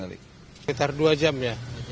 sekitar dua jam ya